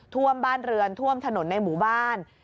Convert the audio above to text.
ท่วมบ้านเรือนท่วมถนนในหมู่บ้าน